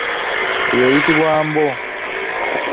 Eyo eyitibwa mbo.